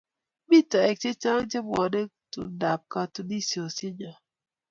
Mi toek chechang' che pwonei tumndap katunisyennyo.